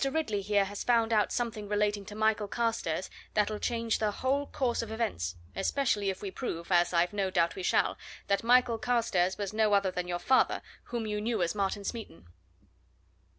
Ridley here has found out something relating to Michael Carstairs that'll change the whole course of events! especially if we prove, as I've no doubt we shall, that Michael Carstairs was no other than your father, whom you knew as Martin Smeaton."